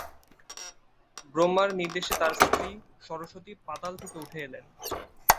ব্রহ্মার নির্দেশে তার স্ত্রী সরস্বতী পাতাল থেকে উঠে এলেন।